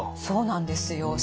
そうなんですよ。